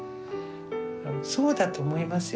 そうだと思いますよ。